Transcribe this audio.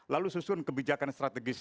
lalu susun kebijakan strategis